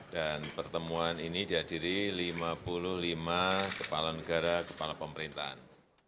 pertemuan ini dihadiri lima puluh lima kepala negara kepala pemerintahan